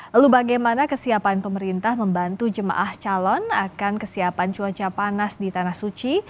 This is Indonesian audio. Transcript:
lalu bagaimana kesiapan pemerintah membantu jemaah calon akan kesiapan cuaca panas di tanah suci